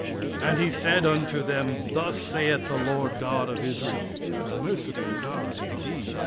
"And he said unto them, Thus saith the Lord God of Israel [a merciful god indeed].